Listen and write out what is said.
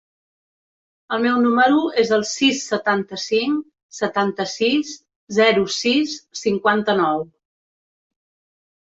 El meu número es el sis, setanta-cinc, setanta-sis, zero, sis, cinquanta-nou.